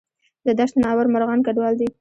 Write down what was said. د دشت ناور مرغان کډوال دي